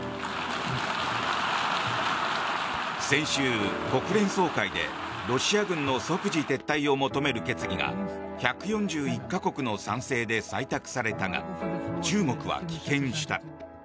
先週、国連総会でロシア軍の即時撤退を求める決議が１４１か国の賛成で採択されたが中国は棄権した。